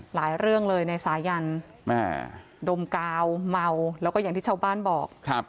หลายเรื่องเลยในสายันแม่ดมกาวเมาแล้วก็อย่างที่ชาวบ้านบอก